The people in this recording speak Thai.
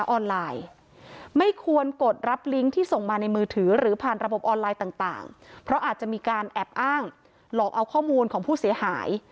ออนไลน์ไม่ควรกดรับลิงก์ที่ส่งมาในมือถือหรือผ่านระบบออนไลน์ต่างเพราะอาจจะมีการแอบอ้างหลอกเอาข้อมูลของผู้เสียหาย